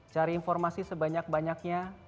cari informasi sebanyak banyaknya